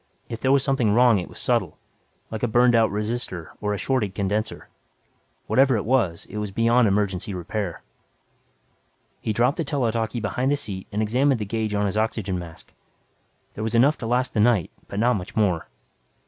If there was something wrong it was subtle, like a burned out resistor or a shorted condenser. Whatever it was, it was beyond emergency repair. He dropped the tele talkie behind the seat and examined the gauge on his oxygen tank. There was enough to last the night but not much more.